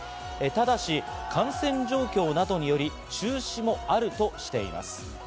ただし感染状況などにより、中止もあるとしています。